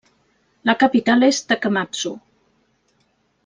La capital és Takamatsu.